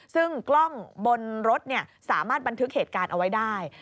ซึ่งกล้องบนรถสามารถบันทึกเหตุการณ์เอาไว้ได้